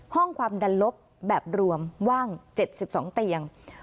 ห้องความดันลบแบบรวมว่าง๗๒เตียง